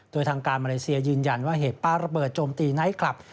โดยทางการมาเลเซียยืนยันว่าเหตุป้าระเบิดโจมตีไนท์คลับ